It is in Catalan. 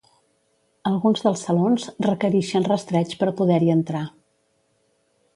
Alguns dels salons requerixen rastreig per poder-hi entrar.